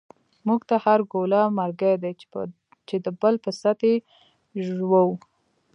مونږ ته هر گوله مرگۍ دۍ، چی دبل په ست یی ژوو